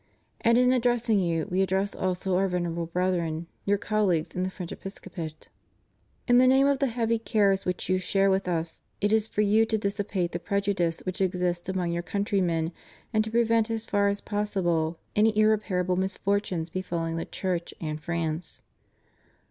And in addressing you We address also Our Venerable Brethren — your colleagues in the French episcopate. In the name of the heavy cares which you share with Us it is for you to dissipate the prejudice which exists among your countrymen, and to prevent, as far as possible, any irreparable misfortunes befalling the Church and France.